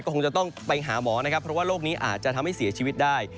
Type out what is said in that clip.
คงจะต้องไปหาหมอนะครับเพราะว่าโรคนี้อาจจะทำให้เสียชีวิตได้